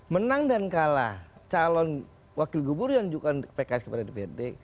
menang dan kalah calon wakil gubernur yang juga pks kepada dprd